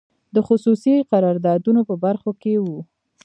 د خصوصي قراردادونو په برخو کې وو.